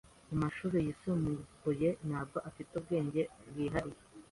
Numunyeshuri usanzwe wiga mumashuri yisumbuye, ntabwo afite ubwenge bwihariye.